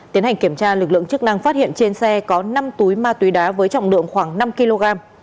tiến hành kiểm tra lực lượng chức năng phát hiện trên xe có năm túi ma túy đá với trọng lượng khoảng năm kg